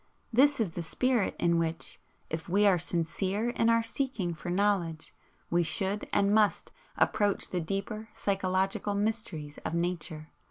This is the spirit in which, if we are sincere in our seeking for knowledge, we should and must approach the deeper psychological mysteries of Nature.